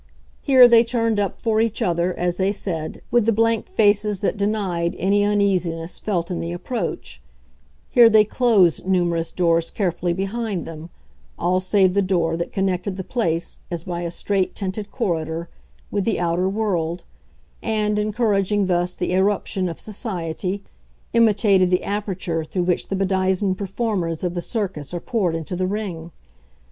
Here they turned up for each other, as they said, with the blank faces that denied any uneasiness felt in the approach; here they closed numerous doors carefully behind them all save the door that connected the place, as by a straight tented corridor, with the outer world, and, encouraging thus the irruption of society, imitated the aperture through which the bedizened performers of the circus are poured into the ring.